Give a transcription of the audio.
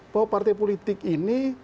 bahwa partai politik ini